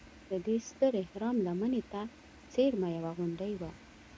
د دې ستر اهرام لمنې ته څېرمه یوه غونډه وه.